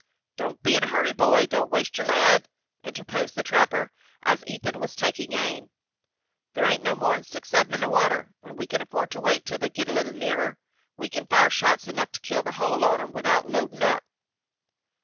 "Don't be 'n a hurry, boy. Don't waste your lead," interposed the trapper, as Ethan was taking aim. "There ain't no more 'n six on 'em in the water, and we kin afford to wait till they git a little nearer. We kin fire shots enough to kill the whole on 'em without loadin' up."